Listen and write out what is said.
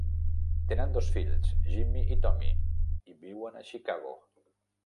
Tenen dos fills, Jimmy i Tommy, i viuen a Chicago.